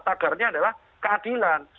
tagarnya adalah keadilan